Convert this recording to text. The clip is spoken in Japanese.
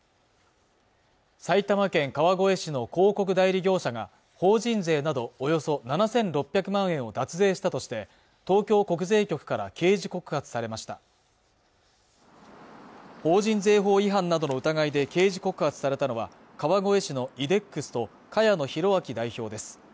埼玉県川越市の広告代理業者が法人税などおよそ７６００万円を脱税したとして東京国税局から刑事告発されました法人税法違反などの疑いで刑事告発されたのは川越市のイデックスと茅野宏昭代表です